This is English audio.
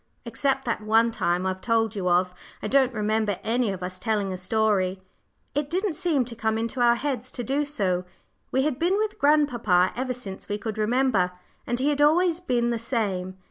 Except that one time I've told you of, I don't remember any of us telling a story. It didn't seem to come into our heads to do so we had been with grandpapa ever since we could remember, and he had always been the same.